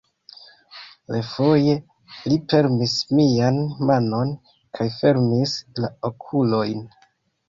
Refoje li premis mian manon kaj fermis la okulojn.